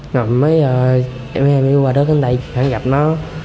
rồi mới em đi qua đất đến đây khẳng gặp nó